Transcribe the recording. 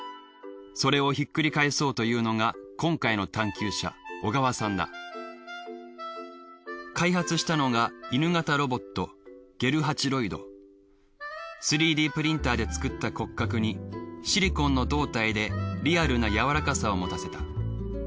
それをひっくり返そうというのが今回の探究者開発したのが犬型ロボット３Ｄプリンターで作った骨格にシリコンの胴体でリアルな柔らかさを持たせた。